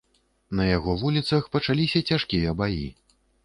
На яго вуліцах пачаліся цяжкія баі.